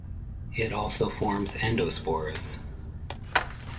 It also forms endospores.